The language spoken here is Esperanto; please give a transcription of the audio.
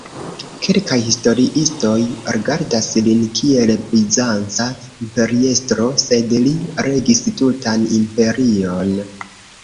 Kelkaj historiistoj rigardas lin kiel Bizanca imperiestro, sed li regis tutan imperion.